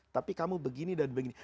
tapi kamu begini dan begini